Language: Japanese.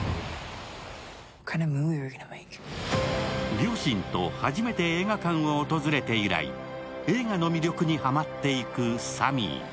両親と初めて映画館を訪れて以来、映画の魅力にハマっていくサミー。